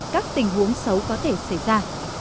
các tình huống xấu có thể xảy ra